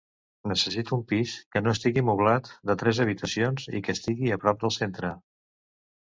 Necessito un pis que no estigui moblat, de tres habitacions i que estigui a prop del centre.